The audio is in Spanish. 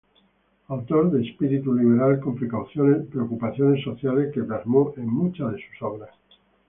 Autor de espíritu liberal con preocupaciones sociales que plasmó en muchas de sus obras.